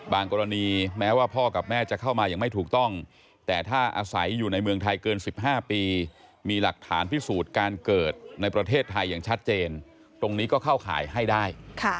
กรณีแม้ว่าพ่อกับแม่จะเข้ามาอย่างไม่ถูกต้องแต่ถ้าอาศัยอยู่ในเมืองไทยเกิน๑๕ปีมีหลักฐานพิสูจน์การเกิดในประเทศไทยอย่างชัดเจนตรงนี้ก็เข้าข่ายให้ได้